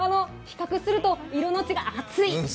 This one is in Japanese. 比較すると色の違い熱い！